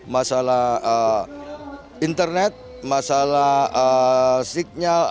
masalah internet masalah signal